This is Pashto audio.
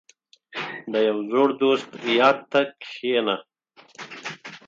• د یو زوړ دوست یاد ته کښېنه.